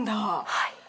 はい。